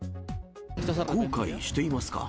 後悔していますか？